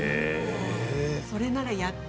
それならやっ